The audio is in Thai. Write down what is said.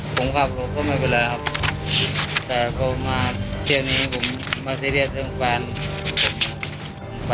ผมคิดว่าผมก็ไม่เป็นไรครับ